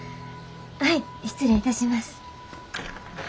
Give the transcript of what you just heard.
はい失礼いたします。